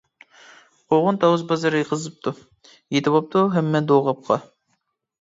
قوغۇن-تاۋۇز بازىرى قىزىپتۇ يېتىۋاپتۇ ھەممە دوغاپقا.